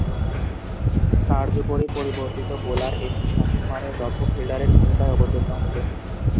কার্যকরী পরিবর্তিত বোলার ও সঠিক মানের দক্ষ ফিল্ডারের ভূমিকায় অবতীর্ণ হতেন।